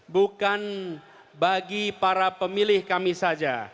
bukan bagi para pemilih kami saja